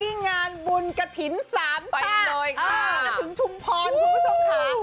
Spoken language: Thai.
ที่งานบุญกระถิน๓ช่ามาถึงชุมพลคุณผู้สมค้า